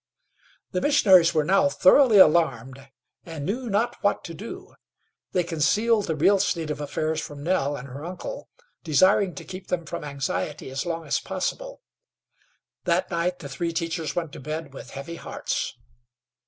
The missionaries were now thoroughly alarmed, and knew not what to do. They concealed the real state of affairs from Nell and her uncle, desiring to keep them from anxiety as long as possible. That night the three teachers went to bed with heavy hearts.